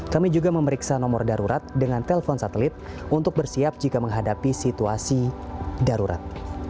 kami juga memeriksa nomor darurat dengan telpon satelit untuk bersiap jika menghadapi situasi darurat